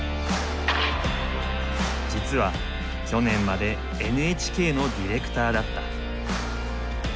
実は去年までＮＨＫのディレクターだった。